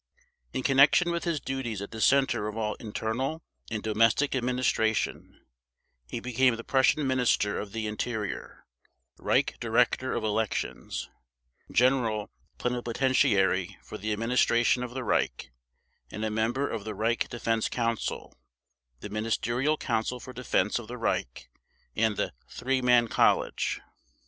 In connection with his duties at the center of all internal and domestic administration, he became the Prussian Minister of the Interior, Reich Director of Elections, General Plenipotentiary for the Administration of the Reich, and a member of the Reich Defense Council, the Ministerial Council for Defense of the Reich, and the "Three Man College".